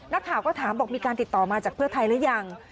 นักข่าวก็ถามบอกมีการติดต่อมาจากเพื่อไทยหรือยัง